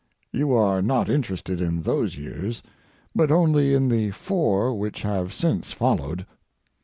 You are not interested in those years, but only in the four which have since followed.